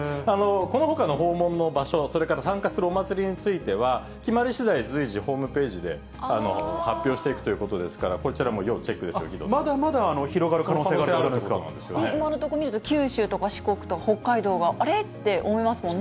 このほかの訪問の場所、それから参加するお祭りについては、決まりしだい、随時、ホームページで発表していくということですから、こちらも要チェックですよ、まだまだ広がる可能性がある今のところ見ると、九州とか四国と北海道があれ？って思いますもんね。